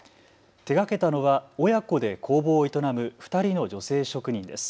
手がけたのは親子で工房を営む２人の女性職人です。